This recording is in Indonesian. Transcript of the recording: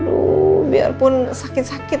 aduh biarpun sakit sakit